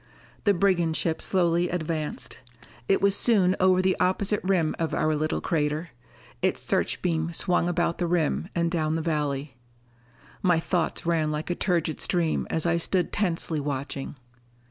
The brigand ship slowly advanced. It was soon over the opposite rim of our little crater. Its searchbeam swung about the rim and down the valley. My thoughts ran like a turgid stream as I stood tensely watching.